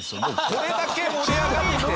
これだけ盛り上がって。